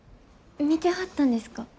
見てはったんですか？